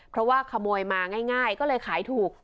เพราะว่าขโมยมาง่ายก็เลยขายถูก